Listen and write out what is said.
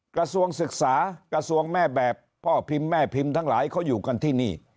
กระทรวงศึกษากระทรวงแม่แบบพ่อพิมพ์แม่พิมพ์ทั้งหลายเขาอยู่กันที่นี่